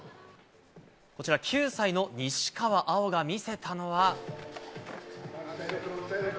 こちら、９歳の西川有生が見せたのは。